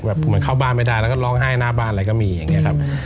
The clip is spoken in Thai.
เหมือนเข้าบ้านไม่ได้แล้วก็ร้องไห้หน้าบ้านอะไรก็มีอย่างนี้ครับ